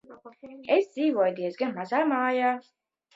Es dzīvoju diezgan mazā mājā.